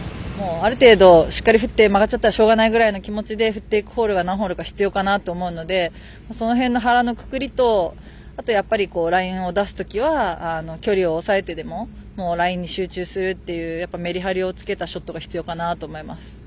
ある程度しっかり振ってもらったら曲がったらしょうがないという気持ちで振っていくホールが何ホールか必要かなというその辺の腹のくくりとやっぱり、ラインを出すときは距離を抑えてでもラインに集中するというメリハリをつけたショットが必要かなと思います。